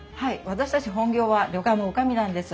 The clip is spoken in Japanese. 私たち本業は旅館の女将なんです。